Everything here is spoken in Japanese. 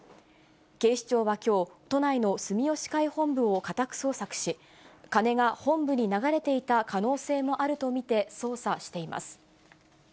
警視庁はきょう、都内の住吉会本部を家宅捜索し、金が本部に流れていた可能性もあると見て捜査しています。